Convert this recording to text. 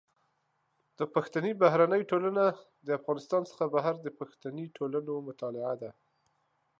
د پښتني بهرنۍ ټولنه د افغانستان څخه بهر د پښتني ټولنو مطالعه ده.